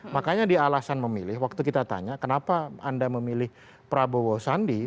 makanya di alasan memilih waktu kita tanya kenapa anda memilih prabowo sandi